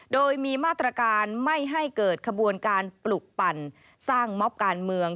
โดยมีมาตรการไม่ให้เกิดขบวนการปลุกปั่นสร้างม็อบการเมือง